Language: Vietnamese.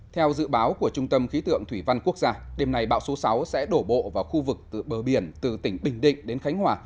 theo dự báo của trung tâm khí tượng thủy văn quốc gia đêm nay bão số sáu sẽ đổ bộ vào khu vực bờ biển từ tỉnh bình định đến khánh hòa